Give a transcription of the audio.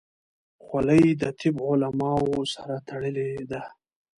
خولۍ د طب علماو سره تړلې ده.